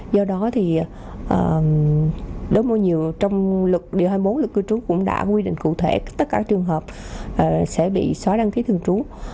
do đó trong điều hai mươi bốn luật cư trú cũng đã quy định cụ thể tất cả trường hợp sẽ bị xóa đăng ký thường trú